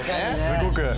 すごく。